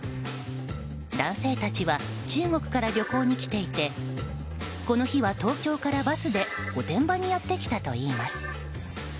男性たちは中国から旅行に来ていてこの日は、東京からバスで御殿場にやってきたといいます。